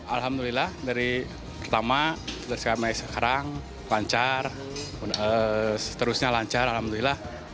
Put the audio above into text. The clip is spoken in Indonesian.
alhamdulillah dari pertama sampai sekarang lancar terusnya lancar alhamdulillah